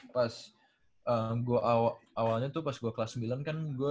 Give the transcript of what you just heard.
pas gua awalnya tuh pas gua kelas sembilan kan